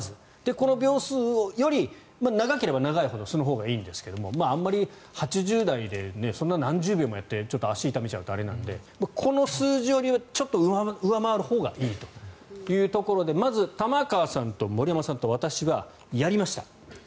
この秒数より長ければ長いほどそのほうがいいんですけどあんまり８０代で何十秒もやって足を痛めるとあれなのでこの数字よりちょっと上回るほうがいいというところでまず、玉川さんと森山さんと私はやりました。